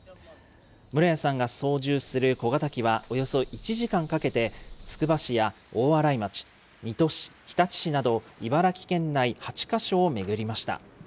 室屋さんが操縦する小型機は、およそ１時間かけてつくば市や大洗町、水戸市、日立市など、茨城県内８か所を巡りました。